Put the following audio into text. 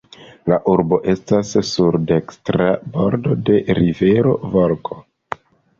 La urbo estas sur dekstra bordo de rivero Volgo.